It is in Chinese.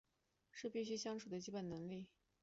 是相处必须的基本能力